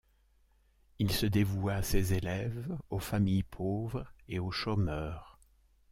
Il se dévoua à ses élèves, aux familles pauvres et aux chômeurs.